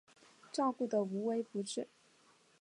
照顾得无微不至